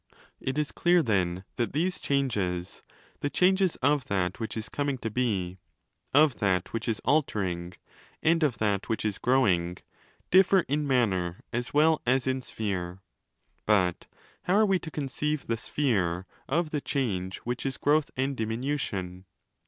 It is clear, then, that these changes—the changes of that which is coming to be, of that which is 'altering', and of that which is growing—differ 7 manner as well as in sphere. But how are we to conceive the 'sphere' of the change which is growth and diminution?